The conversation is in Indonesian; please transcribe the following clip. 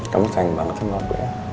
kamu sayang banget sama aku ya